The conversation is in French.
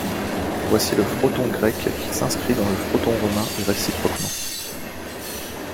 Voici le fronton grec qui s’inscrit dans le fronton romain et réciproquement.